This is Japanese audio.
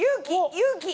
勇気！